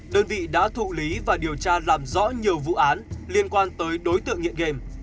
đơn vị đã thụ lý và điều tra làm rõ nhiều vụ án liên quan tới đối tượng nghiện game